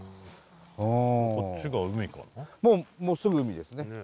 もうすぐ海ですね。